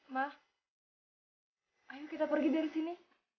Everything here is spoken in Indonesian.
ma ayo kita pergi dari sini